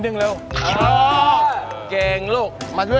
กรุงสือมาแล้ว